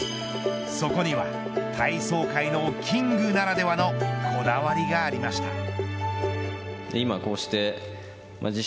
そこには体操界のキングならではのこだわりがありました。